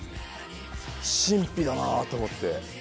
神秘だなと思って。